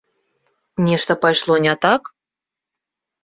Нешта пайшло не так?